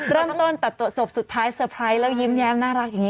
เริ่มต้นตัดตัวจบสุดท้ายเตอร์ไพรส์แล้วยิ้มแย้มน่ารักอย่างนี้